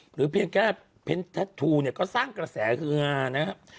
หรือเพียงแก้เพ้นทาทูเนี่ยก็สร้างกระแสเครื่องงานนะครับ